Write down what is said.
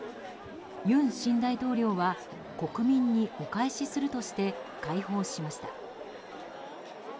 尹新大統領は国民にお返しするとして開放しました。